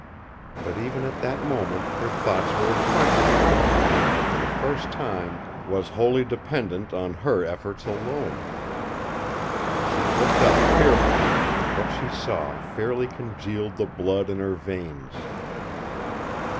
But even at that moment her thoughts were of Quentin, who now for the first time was wholly dependent on her efforts alone. She looked up fearfully, and what she saw fairly congealed the blood in her veins.